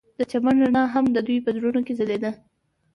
د چمن رڼا هم د دوی په زړونو کې ځلېده.